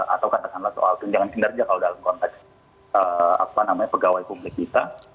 atau katakanlah soal jangan kinerja kalau dalam konteks apa namanya pegawai publik kita